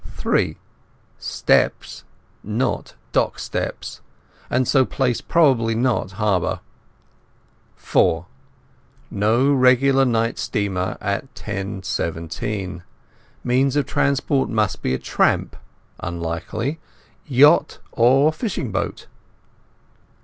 (3) Steps not dock steps, and so place probably not harbour. (4) No regular night steamer at 10.17. Means of transport must be tramp (unlikely), yacht, or fishing boat.